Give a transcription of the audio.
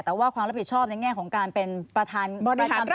แต่ว่าความรับผิดชอบในแง่ของการเป็นประธานประจำ